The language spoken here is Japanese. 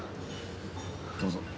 どうぞ。